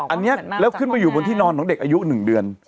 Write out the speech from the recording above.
อันนี้แล้วขึ้นไปอยู่บนที่นอนของเด็กอายุ๑เดือน